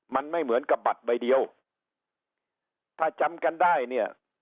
มันไม่เหมือนกับบัตรใบเดียวถ้าจำกันได้เนี่ย